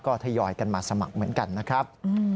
ก็ทยอยกันมาสมัครเหมือนกันนะครับ